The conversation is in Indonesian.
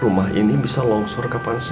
rumah ini bisa longsor kapan